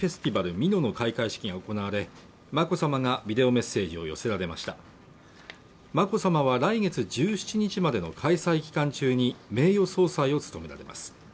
美濃の開会式が行われ眞子さまがビデオメッセージを寄せられました眞子さまは来月１７日までの開催期間中に名誉総裁を務められます